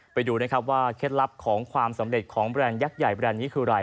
ไปดูนะครับว่าเคล็ดลับของความสำเร็จของแบรนด์ยักษ์ใหญ่แบรนด์นี้คืออะไร